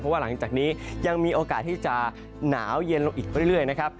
เพราะว่าหลังจากนี้ยังมีโอกาสที่จะหนาวเย็นลงอีกเรื่อยนะครับ